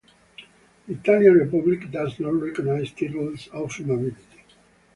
The Italian Republic does not recognize titles of nobility.